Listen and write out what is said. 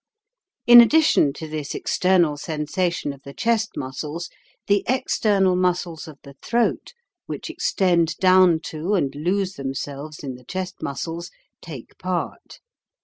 In addition to this external sensation of the chest muscles, the external muscles of the throat (which extend down to and lose them selves in the chest muscles) take part.